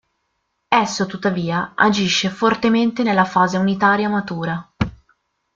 Esso tuttavia agisce fortemente nella fase unitaria matura.